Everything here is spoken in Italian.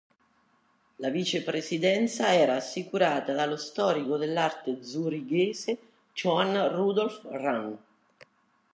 La vicepresidenza era assicurata dallo storico dell'arte zurighese Johann Rudolf Rahn.